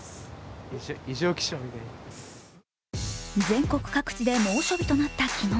全国各地で猛暑日となった昨日。